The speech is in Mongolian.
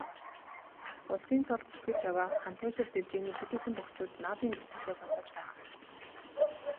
Улсын цолд зүтгэж яваа Хантайшир дэвжээний хэд хэдэн бөхчүүд наадмын бэлтгэлээ базааж байгаа.